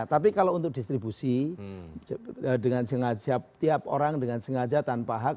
tapi kalau untuk distribusi dengan sengaja tiap orang dengan sengaja tanpa hak